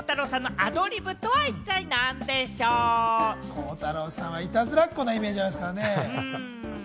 鋼太郎さんはいたずらっ子なイメージありますからね。